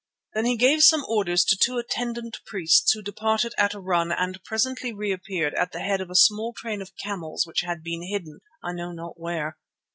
Then he gave some orders to two attendant priests who departed at a run and presently reappeared at the head of a small train of camels which had been hidden, I know not where.